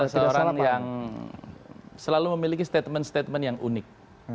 seorang yang selalu memiliki statement statement yang unik